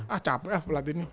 ah capek pelatih ini